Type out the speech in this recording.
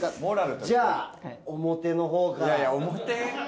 じゃあ表のほうから。